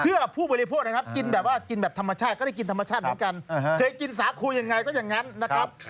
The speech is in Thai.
เพื่อผู้บริโภคนะครับกินแบบว่ากินแบบธรรมชาติก็ได้กินธรรมชาติเหมือนกันเคยกินสาคูยังไงซะอย่างนั้นนะครับ